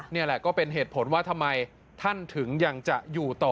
นี่แหละก็เป็นเหตุผลว่าทำไมท่านถึงยังจะอยู่ต่อ